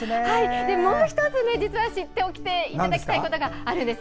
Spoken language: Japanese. もう１つ実は知っておいていただきたいことがあるんです。